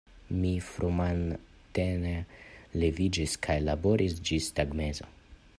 Mi frumatene leviĝis kaj laboris ĝis tagmezo.